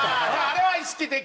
あれは意識的。